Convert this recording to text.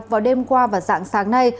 vào đêm qua và dạng sáng nay